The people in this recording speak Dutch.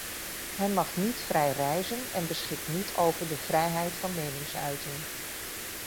Hij mag niet vrij reizen en beschikt niet over de vrijheid van meningsuiting.